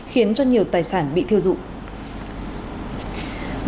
khiến cho nhiều tài sản bị thiêu dụng